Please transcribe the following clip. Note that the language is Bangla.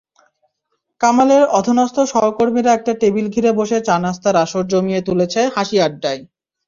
কামালের অধস্তন সহকর্মীরা একটা টেবিল ঘিরে বসে চা-নাশতার আসর জমিয়ে তুলেছে হাসি-আড্ডায়।